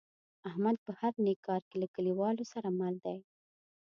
احمد په هر نیک کار کې له کلیوالو سره مل دی.